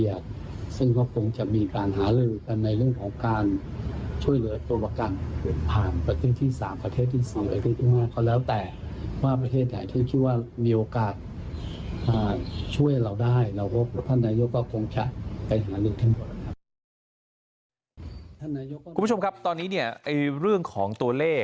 อย่างที่เมื่อกี้เราบอกว่าทางรัฐบาลอิสราเอล